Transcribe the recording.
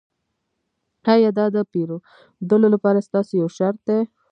ایا دا د پیرودلو لپاره ستاسو یو شرط دی